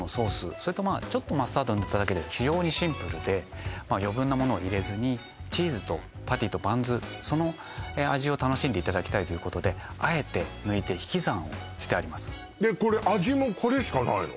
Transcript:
それとまあちょっとマスタード塗っただけで非常にシンプルで余分なものを入れずにチーズとパティとバンズその味を楽しんでいただきたいということであえて抜いて引き算をしてありますでこれ味もこれしかないの？